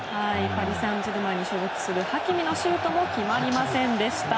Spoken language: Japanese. パリ・サンジェルマンに所属するハキミのシュートも決まりませんでした。